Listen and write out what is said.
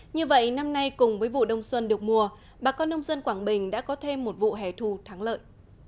như vậy năm nay cùng với vụ đông xuân được mùa bà con nông dân quảng bình đã có thêm một vụ hẻ thù thắng lợi